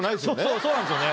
そうなんですよね。